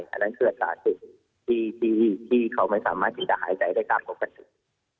เพราะฉะนั้นคืออาจารย์สิ่งที่เขาไม่สามารถที่จะหายใจได้ตามกับความสิ่ง